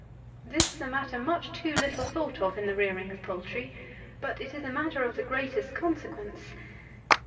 This is a matter much too little thought of in the rearing of poultry; but it is a matter of the greatest consequence.